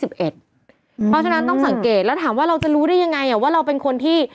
เพราะฉะนั้นต้องสังเกตแล้วถามว่าเราจะรู้ได้ยังไงว่าเราเป็นคนที่